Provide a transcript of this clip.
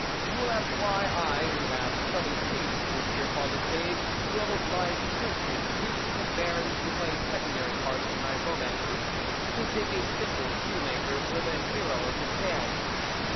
You will ask why I, who have sum moned kings to appear upon the stage, who have obliged princes, dukes, and barons to play secondary parts in my romances, should take a simple shoe maker for the hero of this tale.